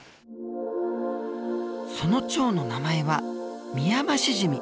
そのチョウの名前はミヤマシジミ。